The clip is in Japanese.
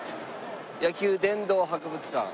野球殿堂博物館。